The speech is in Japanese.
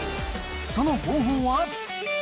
その方法は？